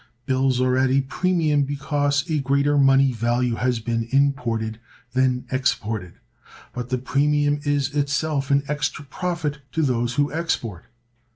Bills are at a premium because a greater money value has been imported than exported. But the premium is itself an extra profit to those who export.